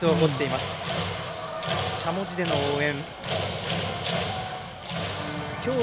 しゃもじでの応援。